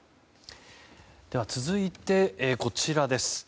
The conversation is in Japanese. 続いて、こちらです。